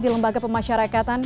di lembaga pemasyarakatan